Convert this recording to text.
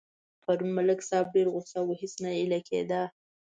پرون ملک صاحب ډېر غوسه و هېڅ نه اېل کېدا.